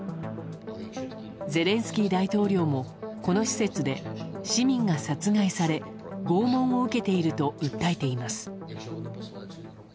ゼレンスキー大統領もこの施設で市民が殺害され拷問を受けていると訴えています。